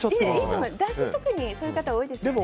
男性、そういう方多いですよね。